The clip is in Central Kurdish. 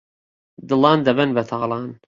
دڵان دەبەن بەتاڵان